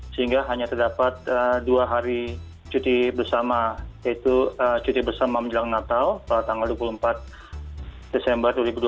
sehingga hanya terdapat dua hari cuti bersama yaitu cuti bersama menjelang natal pada tanggal dua puluh empat desember dua ribu dua puluh